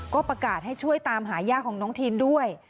ก็ประกาศให้ช่วยตามหาย่าของน้องทีนด้วย